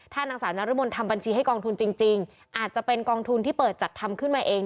นางสาวนรมนทำบัญชีให้กองทุนจริงอาจจะเป็นกองทุนที่เปิดจัดทำขึ้นมาเอง